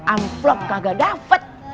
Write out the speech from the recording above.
amplop kagak dapet